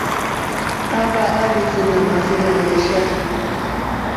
Avaa alifina mafina mesha.